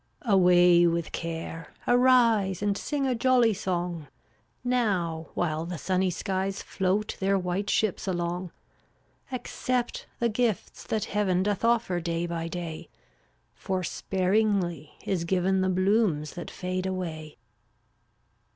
336 Away with care, arise And sing a jolly song, Now while the sunny skies Float their white ships along. Accept the gifts that Heaven Doth offer day by day, For sparingly is given The blooms that fade away.